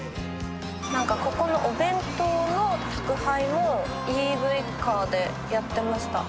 何かここのお弁当の宅配をＥＶカーでやってました。